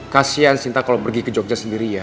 kasian sinta kalau pergi ke jogja sendiri ya